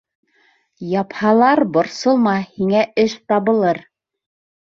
Япһалар, борсолма, һиңә эш табылыр!